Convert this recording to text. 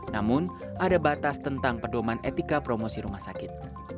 namun ada batas tentang pedoman etika promosi rumah sakit